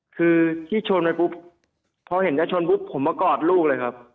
คือที่ชนไปปุ๊บพอเห็นจะชนปุ๊บผมมากอดลูกเลยครับ